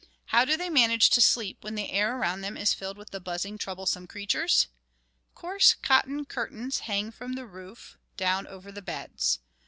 How do they manage to sleep when the air around them is filled with the buzzing, troublesome creatures? Coarse cotton curtains hang from the roof down over the beds.